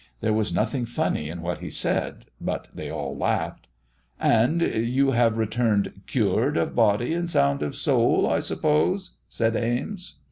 There was nothing funny in what he said, but they all laughed. "And you have returned cured of body and sound of soul, I suppose," said Ames.